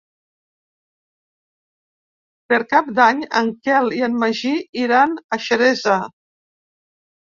Per Cap d'Any en Quel i en Magí iran a Xeresa.